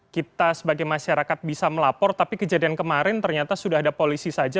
kita sebagai masyarakat bisa melapor tapi kejadian kemarin ternyata sudah ada polisi saja